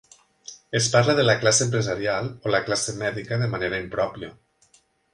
Es parla de la classe empresarial o la classe mèdica de manera impròpia.